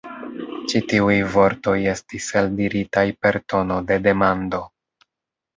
Ĉi tiuj vortoj estis eldiritaj per tono de demando.